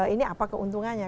ini apa keuntungannya